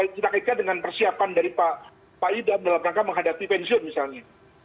kita kaitkan dengan persiapan dari pak idam dalam rangka menghadapi pensiun misalnya